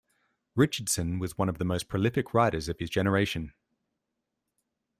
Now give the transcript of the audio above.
Richardson was one of the most prolific writers of his generation.